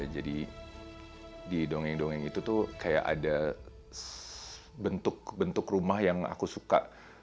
jadi di dongeng dongeng itu tuh kayak ada bentuk bentuk rumah yang aku suka